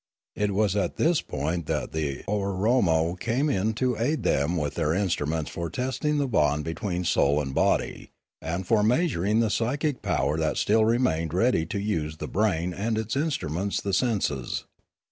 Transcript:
It was at this point that the Ooaromo came in to aid them with their instruments for testing the bond between soul and body, and for measuring the psychic power that still remained ready to use the brain and its in struments the senses.